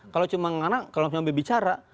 kalau cuma karena kalau sampai bicara